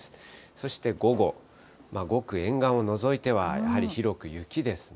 そして午後、ごく沿岸を除いてはやはり広く雪ですね。